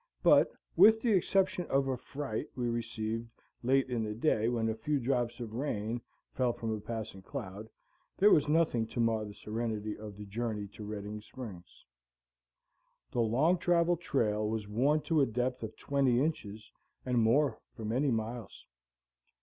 But, with the exception of a fright we received late in the day when a few drops of rain fell from a passing cloud, there was nothing to mar the serenity of the journey to Redding Springs. The long traveled trail was worn to a depth of twenty inches and more for many miles.